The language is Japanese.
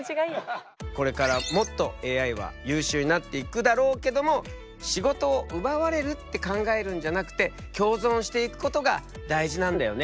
これからもっとＡＩは優秀になっていくだろうけども仕事を奪われるって考えるんじゃなくて共存していくことが大事なんだよね。